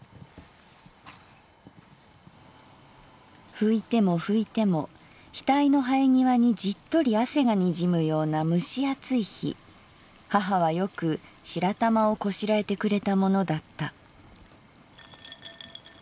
「拭いても拭いても額のはえ際にジットリ汗がにじむような蒸し暑い日母はよく白玉をこしらえてくれたものだった」。